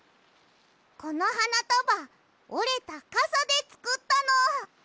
このはなたばおれたカサでつくったの！